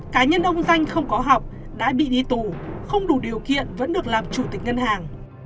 cá nhân ông danh không có học đã bị đi tù không đủ điều kiện vẫn được làm chủ tịch ngân hàng